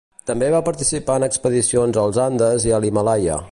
També va participar en expedicions als Andes i a l'Himàlaia.